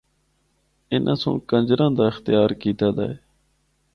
اِناں سنڑ کنجراں دا اختیار کیتا دا ہے۔